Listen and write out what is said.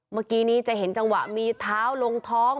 เมื่อกี้นี้จะเห็นจังหวะมีเท้าลงท้อง